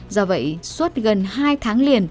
do vậy suốt gần hai tháng liền